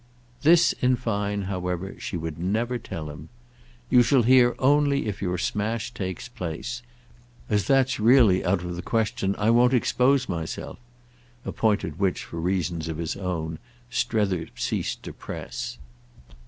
This, in fine, however, she would never tell him. "You shall hear only if your smash takes place. As that's really out of the question, I won't expose myself"—a point at which, for reasons of his own, Strether ceased to press.